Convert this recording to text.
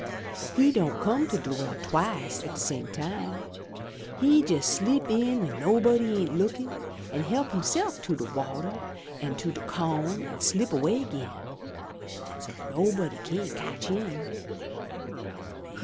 He don' come to de well twice at de same time. He jes' slip in w'en nobody ain't lookin' an' help hisself to de wateh an' de co'n, an' slip away again. So nobody cyan't cotch him.